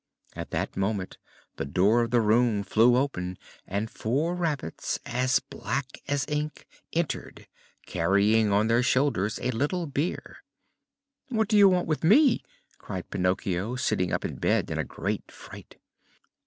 At that moment the door of the room flew open and four rabbits as black as ink entered carrying on their shoulders a little bier. "What do you want with me?" cried Pinocchio, sitting up in bed in a great fright.